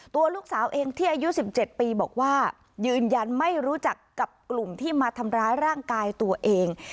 ตัวลูกสาวเองที่อายุ๑๗ปีบอกว่ายืนยันไม่รู้จักกับกลุ่มที่มาทำร้ายร่างกายตัวเอง